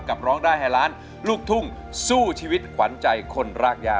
ร้องได้ให้ล้านลูกทุ่งสู้ชีวิตขวัญใจคนรากย่า